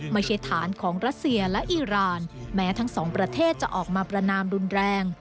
ไม่ใช่ฐานของรัสเซียและอีรานแม้ทั้งสองประเทศจะออกมาประนามรุนแรง